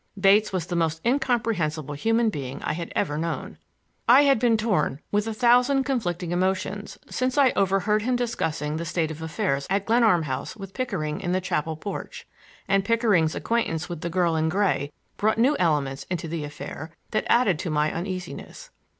Bates was the most incomprehensible human being I had ever known. I had been torn with a thousand conflicting emotions since I overheard him discussing the state of affairs at Glenarm House with Pickering in the chapel porch; and Pickering's acquaintance with the girl in gray brought new elements into the affair that added to my uneasiness.